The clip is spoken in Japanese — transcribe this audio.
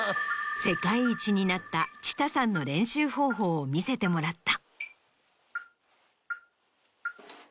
世界一になったＣＨＩＴＡＡさんの練習方法を見せてもらった。